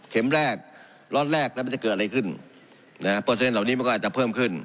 แรกล็อตแรกแล้วมันจะเกิดอะไรขึ้นนะฮะเปอร์เซ็นต์เหล่านี้มันก็อาจจะเพิ่มขึ้น